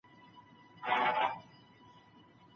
بدن باید د ارامۍ په حال کي وي.